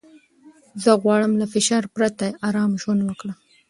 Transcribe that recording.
زه غواړم له فشار پرته ارامه ژوند وکړم.